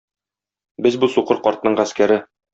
Без бу сукыр картның гаскәре.